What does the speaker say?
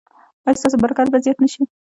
ایا ستاسو برکت به زیات نه شي؟